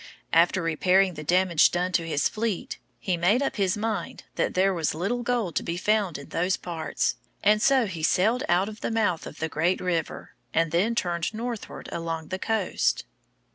After repairing the damage done to his fleet, he made up his mind that there was little gold to be found in those parts, and so he sailed out of the mouth of the great river, and then turned northward along the coast.